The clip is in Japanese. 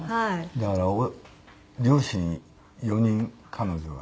だから両親４人彼女が。